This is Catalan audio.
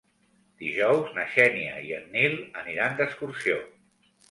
Dijous na Xènia i en Nil aniran d'excursió.